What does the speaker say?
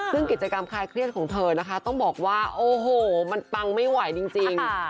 ซึ่งกิจกรรมคลายเครียดของเธอนะคะต้องบอกว่าโอ้โหมันปังไม่ไหวจริง